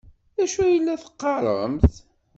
D acu ay la teqqaremt?